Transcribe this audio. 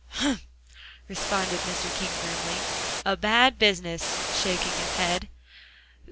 "Humph humph," responded Mr. King grimly. "A bad business," shaking his head.